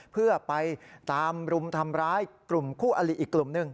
เพื่อไปตามรุมทำร้ายกลุ่มคู่อลิอีกกลุ่มหนึ่ง